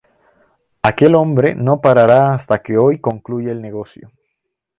Aquel hombre no parará hasta que hoy concluya el negocio.